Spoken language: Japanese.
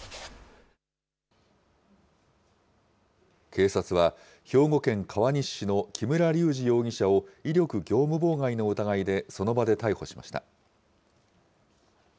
警察は、兵庫県川西市の木村隆二容疑者を威力業務妨害の疑いでその場で逮捕しました。